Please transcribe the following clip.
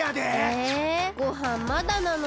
えごはんまだなのに。